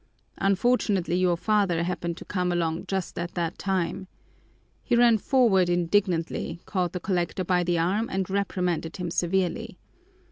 Unfortunately, your father happened to come along just at that time. He ran forward indignantly, caught the collector by the arm, and reprimanded him severely.